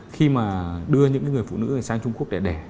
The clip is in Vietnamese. khi mà đưa những người phụ nữ sang trung quốc để đẻ